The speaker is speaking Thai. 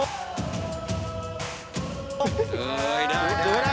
โถ่เฮ่ยได้